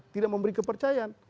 tidak memberi kepercayaan